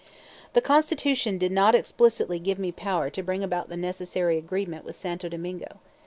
The Constitution did not explicitly give me power to bring about the necessary agreement with Santo Domingo.